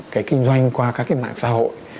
cái kinh doanh qua các mạng xã hội